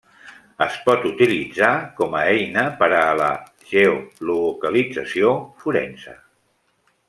Es pot utilitzar com a eina per a la geolocalització forense.